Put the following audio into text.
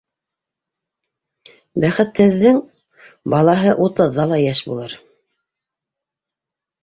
Бәхетһеҙҙең балаһы утыҙҙа ла йәш булыр.